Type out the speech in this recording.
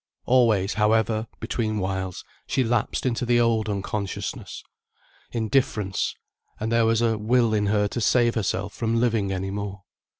Always, however, between whiles she lapsed into the old unconsciousness, indifference and there was a will in her to save herself from living any more.